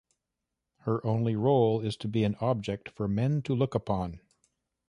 Her only role is to be an object for men to look upon.